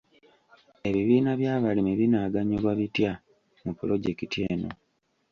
Ebibiina by'abalimi binaaganyulwa bitya mu pulojekiti eno?